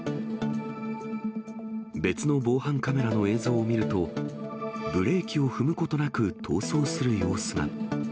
別の防犯カメラの映像を見ると、ブレーキを踏むことなく逃走する様子が。